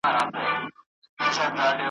پرون مازیګر ناوخته `